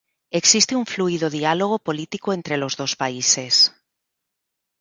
Existe un fluido diálogo político entre los dos países.